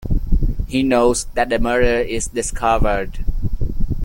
He knows that the murder is discovered.